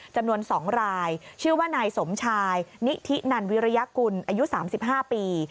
จำนวน๒รายชื่อว่านายสมชายนิธินันวิริยกุลอายุ๓๕ปี